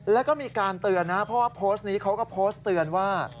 แล้วก็มีการเตือนนะเพราะว่าโพสต์นี้เขาก็โพสต์เตือนว่า